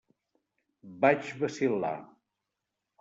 Vaig vacil·lar.